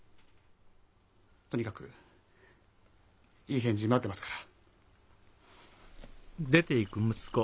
とにかくいい返事待ってますから。